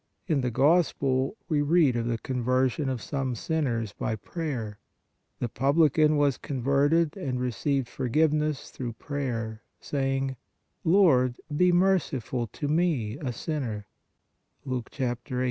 In the Gospel we read of the conversion of some sinners by prayer. The publican was con verted and received forgiveness through prayer, say ing: "Lord, be merciful to me, a sinner" (Luke 18.